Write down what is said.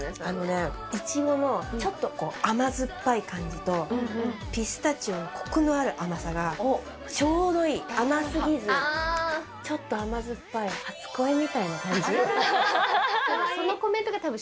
あのね、いちごのちょっと甘酸っぱい感じと、ピスタチオのこくのある甘さがちょうどいい、ちょっと甘酸っぱい初恋みたかわいい。